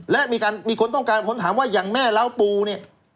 และมีคนต้องการคนถามว่าอย่างแม่เล้าปูเนี่ย